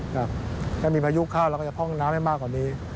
ถ้ามีพายุเข้าเราก็จะพร่องน้ำให้มากกว่านี้